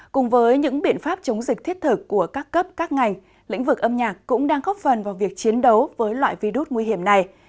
cùng với những biện pháp chống dịch thiết thực của các cấp các ngành lĩnh vực âm nhạc cũng đang góp phần vào việc chiến đấu với loại virus nguy hiểm này